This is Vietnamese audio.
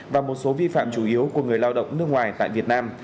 và một số vi phạm chủ yếu của người lao động nước ngoài tại việt nam